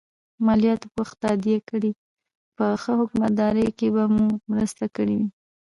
مالیات په وخت تادیه کړئ په ښه حکومتدارۍ کې به مو مرسته کړي وي.